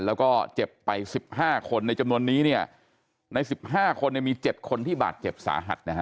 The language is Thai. แล้วก็เจ็บไปสิบห้าคนในจำนวนนี้เนี่ยในสิบห้าคนเนี่ยมีเจ็บคนที่บาดเจ็บสาหัสนะฮะ